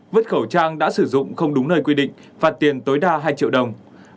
vứt khẩu trang đã sử dụng không đúng nơi quy định phạt tiền tối đa hai triệu đồng